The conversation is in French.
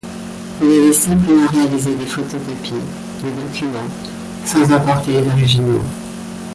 Il avait simplement réalisé des photocopies des documents, sans emporter les originaux.